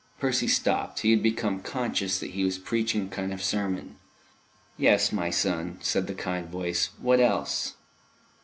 Percy stopped, he had become conscious that he was preaching a kind of sermon. "Yes, my son," said the kind voice. "What else?"